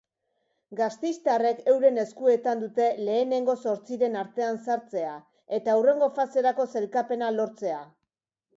Gasteiztarrek euren eskuetan dute lehenengo zortziren artean sartzea eta hurrengo faserako sailkapena lortzea.